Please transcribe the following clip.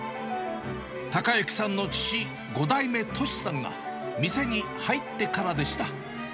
孝之さんの父、５代目登志さんが、店に入ってからでした。